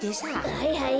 はいはい。